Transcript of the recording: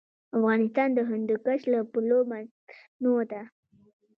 افغانستان د هندوکش له پلوه متنوع دی.